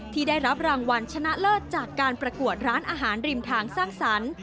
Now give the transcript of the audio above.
ที่ได้รับรางวัลชนะเลิศจากการประกวดร้านอาหารริมทางสร้างสรรค์